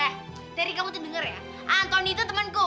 eh dari kamu tuh denger ya antoni itu temanku